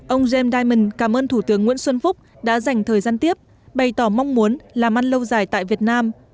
ông james diamond cảm ơn thủ tướng nguyễn xuân phúc đã dành thời gian tiếp bày tỏ mong muốn làm ăn lâu dài tại việt nam